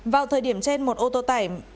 vào thời điểm trên một ô tô tải